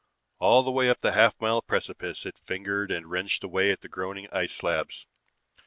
All the way up the half mile precipice it fingered and wrenched away at groaning ice slabs.